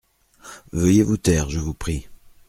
Veuillez vous taire, je vous prie.